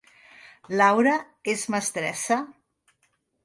Laura és mestressa